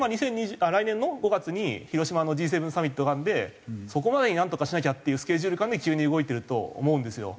来年の５月に広島のＧ７サミットがあるのでそこまでになんとかしなきゃっていうスケジュール感で急に動いてると思うんですよ。